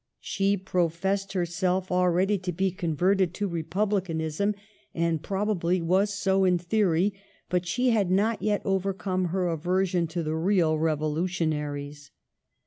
She professed herself already to be converted to Republicanism, and probably was so in theory, but she had not yet overcome her aversion to the real revolutionaries.